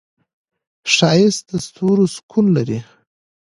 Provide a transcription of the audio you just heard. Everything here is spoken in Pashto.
ښایست د ستورو سکون لري